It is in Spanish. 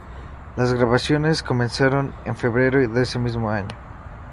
Las grabaciones comenzaron en febrero de ese mismo año.